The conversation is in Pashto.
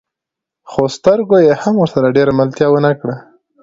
خو سترګو يې هم ورسره ډېره ملتيا ونه کړه.